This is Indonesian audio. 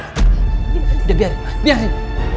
udah biarin mas biarin